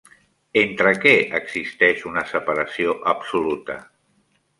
Entre què existeix una separació absoluta?